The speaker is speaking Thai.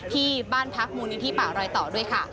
ที่บ้านพักมูลนิธิป่ารอยต่อด้วยค่ะ